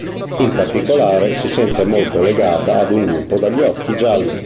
In particolare si sente molto legata ad un lupo dagli occhi gialli.